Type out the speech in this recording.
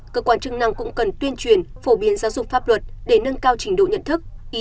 cơ quan chức năng cũng cần tuyên truyền phổ biến giáo dục pháp luật để nâng cao trình độ nhận thức ý